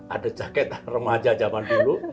ada jaket remaja zaman dulu